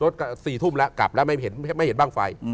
๔ทุ่มแล้วกลับแล้วไม่เห็นบ้างไฟ